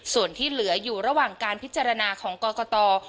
ส่วนที่เหลืออยู่ระหว่างการพิจารณาของกรกต